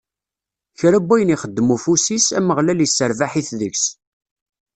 Kra n wayen ixeddem ufus-is, Ameɣlal isserbaḥ-it deg-s.